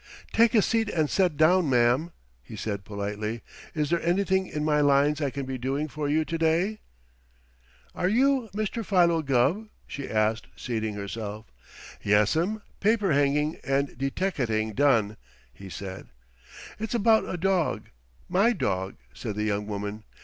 "Take a seat and set down, ma'am," he said politely. "Is there anything in my lines I can be doing for you to day?" "Are you Mr. Philo Gubb?" she asked, seating herself. "Yes'm, paper hanging and deteckating done," he said. "It's about a dog, my dog," said the young woman.